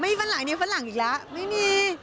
ไม่มีฟันหลังนี้ฟันหลังอีกแล้วไม่มี